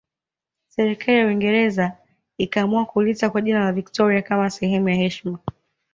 Serikali ya Uingereza ikaamua kuliita kwa jina la Victoria kama sehemu ya heshima